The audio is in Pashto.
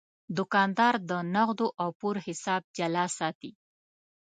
دوکاندار د نغدو او پور حساب جلا ساتي.